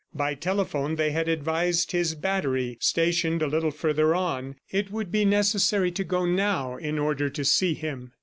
By telephone they had advised his battery stationed a little further on; it would be necessary to go now in order to see him.